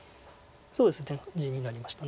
そうですね地になりました。